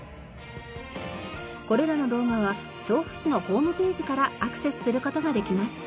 これらの動画は調布市のホームページからアクセスする事ができます。